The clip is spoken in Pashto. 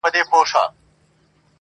برېښنا ځلېږي.